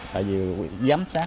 tại vì giám sát